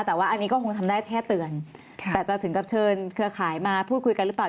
แต่ว่าอันนี้ก็คงทำได้แค่เตือนแต่จะถึงกับเชิญเครือข่ายมาพูดคุยกันหรือเปล่า